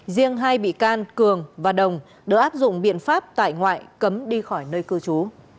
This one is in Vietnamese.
riêng hai bị can cường và đồng được áp dụng biện pháp tại ngoại cấm đi khỏi nơi cư trú